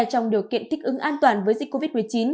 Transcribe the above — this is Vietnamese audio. trong điều kiện thích ứng an toàn với dịch covid một mươi chín